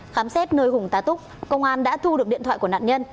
khám xét nơi hùng tá túc công an đã thu được điện thoại của nạn nhân